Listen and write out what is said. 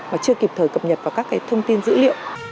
mà chưa kịp thời cập nhật vào các thông tin dữ liệu